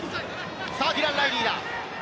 ディラン・ライリーだ！